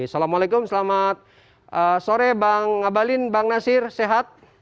assalamualaikum selamat sore bang abalin bang nasir sehat